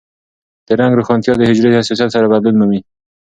د رنګ روښانتیا د حجرې حساسیت سره بدلون مومي.